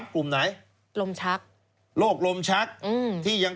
๓กลุ่มไหน